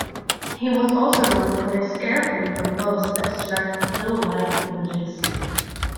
He was also known for his carefully composed abstract still life images.